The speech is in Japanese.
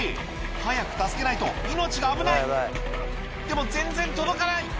早く助けないと命が危ないでも全然届かない！